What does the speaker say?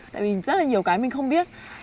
tại vì rất là nhiều cái mình không biết